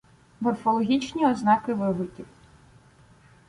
Морфологічні ознаки вигуків